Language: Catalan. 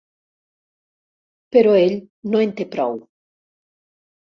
Però ell no en té prou.